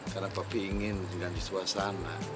karena papi ingin ganti suasana